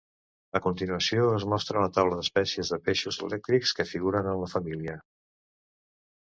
A continuació es mostra una taula d'espècies de peixos elèctrics que figuren en la família.